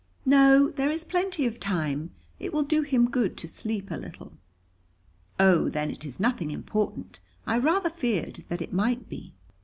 "No, there is plenty of time. It will do him good to sleep a little." "Oh, then it is nothing important. I rather feared that it might be."